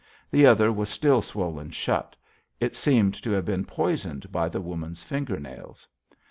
The other was still swollen shut; it seemed to have been poisoned by the woman's fingernails.